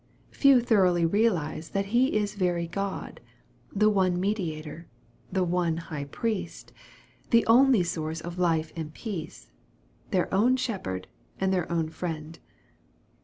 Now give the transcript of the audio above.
Few thoroughly realize that He is very God the one Mediator the one High Priest the only source of life and peace their own Shepherd and their own Friend.